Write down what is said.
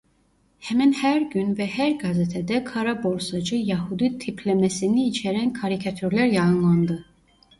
Hemen her gün ve her gazetede "karaborsacı Yahudi" tiplemesini içeren karikatürler yayınlandı.